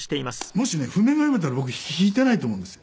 もしね譜面が読めたら僕弾いてないと思うんですよ。